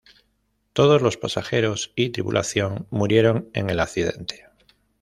Todos los pasajeros y tripulación murieron en el accidente.